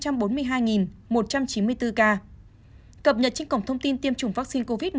cập nhật trên cổng thông tin tiêm chủng vaccine covid một mươi chín